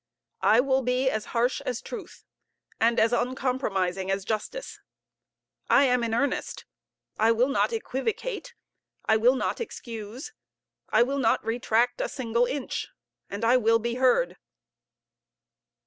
I will be as harsh as truth, and as uncompromising as justice. I am in earnest, I will not equivocate, I will not excuse, I will not retract a single inch, and I will be heard".